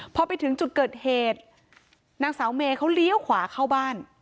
พอไปถึงจุดเกิดเหตุนางสาวเมย์เขาเลี้ยวขวาเข้าบ้าน